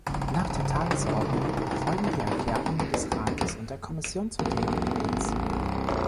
Nach der Tagesordnung folgen die Erklärungen des Rates und der Kommission zum Thema Aids.